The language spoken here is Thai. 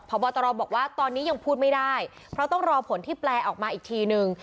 พบตรบอกว่าตอนนี้ยังพูดไม่ได้เพราะต้องรอผลที่แปลออกมาอีกทีนึง